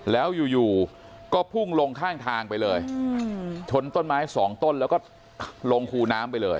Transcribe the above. แล้วอยู่ก็พุ่งลงข้างทางไปเลยชนต้นไม้สองต้นแล้วก็ลงคูน้ำไปเลย